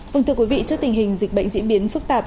vâng thưa quý vị trước tình hình dịch bệnh diễn biến phức tạp